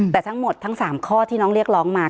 แต่ทั้งหมดทั้ง๓ข้อที่น้องเรียกร้องมา